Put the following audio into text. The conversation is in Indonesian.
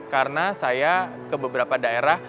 karena saya ke beberapa daerah